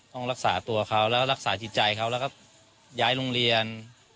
ต้องรักษาตัวเขาแล้วรักษาจิตใจเขาแล้วก็ย้ายโรงเรียน